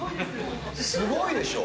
すごいでしょう。